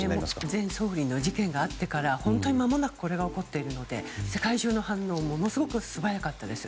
安倍元総理の事件があってから、まもなくこれが起こっているので世界中の反応はものすごく素早かったです。